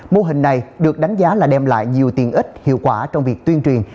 mô hình này được đánh giá là đem lại nhiều tiền ích hiệu quả trong việc tuyên truyền